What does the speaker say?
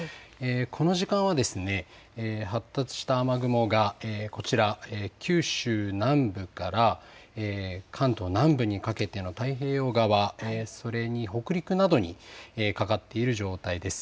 この時間は発達した雨雲がこちら、九州南部から関東南部にかけての太平洋側、それに北陸などにかかっている状態です。